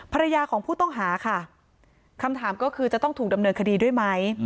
ภรรยาของผู้ต้องหาค่ะคำถามก็คือจะต้องถูกดำเนินคดีด้วยไหม